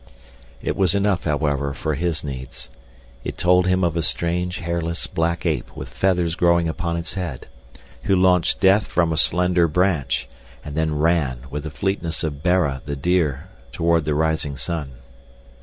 It was enough, however, for his needs. It told him of a strange, hairless, black ape with feathers growing upon its head, who launched death from a slender branch, and then ran, with the fleetness of Bara, the deer, toward the rising sun.